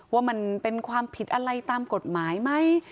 ว่ามันเป็นความผิดอะไรตามกฎหมายไหม